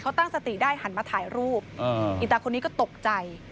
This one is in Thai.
เขาตั้งสติได้หันมาถ่ายรูปอีตาคนนี้ก็ตกใจ